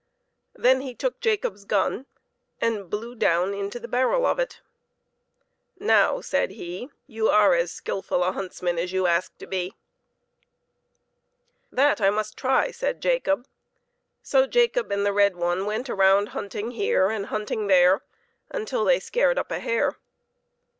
Then he took Jacob's gun, and blew down into the barrel of it. " Now," said he, " you are as skillful a huntsman as you asked to be." " That I must try," said Jacob. So Jacob and the red one went around hunting here and hunting there until they scared up a hare.